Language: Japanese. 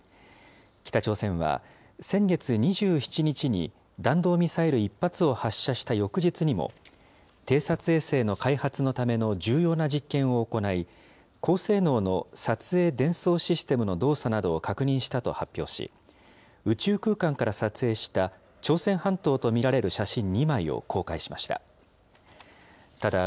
北朝鮮は、先月２７日に弾道ミサイル１発を発射した翌日にも、偵察衛星の開発のための重要な実験を行い、高性能の撮影・伝送システムの動作などを確認したと発表し、宇宙空間から撮影した朝鮮半島と見られる写真２枚を公開しました。